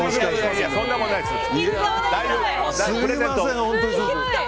そんなことないですよ。